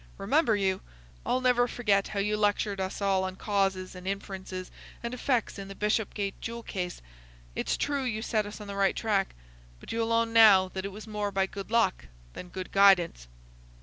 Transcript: Remember you! I'll never forget how you lectured us all on causes and inferences and effects in the Bishopgate jewel case. It's true you set us on the right track; but you'll own now that it was more by good luck than good guidance."